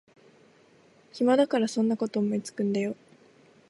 暇だからそんなこと思いつくんだよ